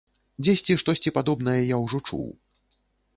Дзесьці штосьці падобнае я ўжо чуў.